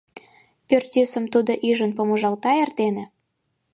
Пӱртӱсым тудо ӱжын помыжалта эрдене?